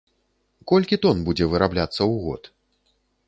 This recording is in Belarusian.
Колькі тон будзе вырабляцца ў год?